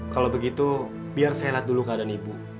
kalau begitu biar saya lihat dulu keadaan ibu